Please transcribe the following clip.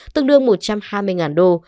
tương đương một trăm hai mươi ngàn đô